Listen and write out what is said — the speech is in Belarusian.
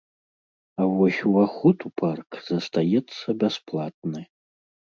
А вось уваход у парк застаецца бясплатны.